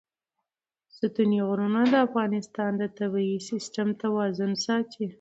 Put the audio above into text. ستوني غرونه د افغانستان د طبعي سیسټم توازن ساتي.